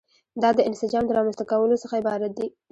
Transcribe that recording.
دا د انسجام د رامنځته کولو څخه عبارت دي.